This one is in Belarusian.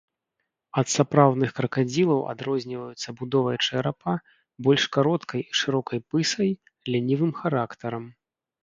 Ад сапраўдных кракадзілаў адрозніваюцца будовай чэрапа, больш кароткай і шырокай пысай, лянівым характарам.